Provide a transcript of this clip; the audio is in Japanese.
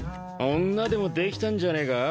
女でもできたんじゃねえか。